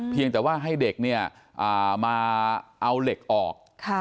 เพียงแต่ว่าให้เด็กเนี่ยมาเอาเหล็กออก